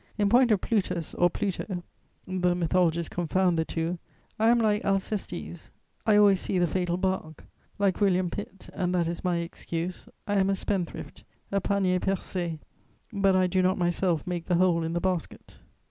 In point of Plutus or Pluto (the mythologists confound the two), I am like Alcestes: I always see the fatal bark; like William Pitt, and that is my excuse, I am a spendthrift, a panier percé: but I do not myself make the hole in the basket.